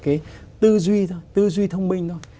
cái tư duy thôi tư duy thông minh thôi